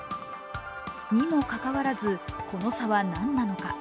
にもかかわらずこの差は何なのか。